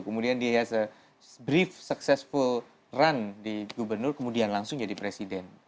kemudian dia has a brief successful run di gubernur kemudian langsung jadi presiden